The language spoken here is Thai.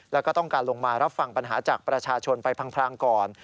แล้วก็ต้องการลงมารับฟังปัญหาจากประชาชนไปพรางก่อน